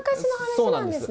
そうなんです。